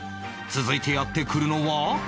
続いてやって来るのは？